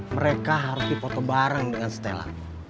mereka harus dipoto bareng dengan stella